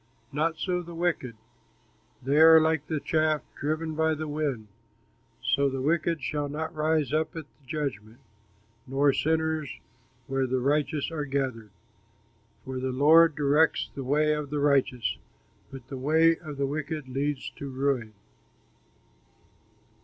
Not so the wicked! They are like the chaff driven by the wind. So the wicked shall not rise up at the judgment, Nor sinners where the righteous are gathered; For the Lord directs the way of the righteous, But the way of the wicked leads to ruin.